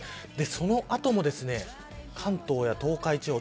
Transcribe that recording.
その後も関東や東海地方